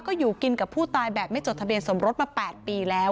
ก็อยู่กินกับผู้ตายแบบไม่จดทะเบียนสมรสมา๘ปีแล้ว